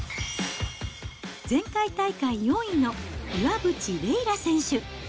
前回大会４位の岩渕麗楽選手。